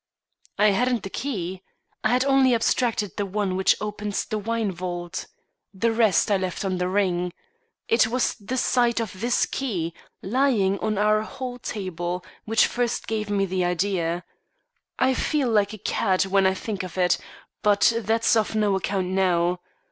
"I hadn't the key. I had only abstracted the one which opens the wine vault. The rest I left on the ring. It was the sight of this key, lying on our hall table, which first gave me the idea. I feel like a cad when I think of it, but that's of no account now.